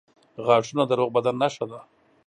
• غاښونه د روغ بدن نښه ده.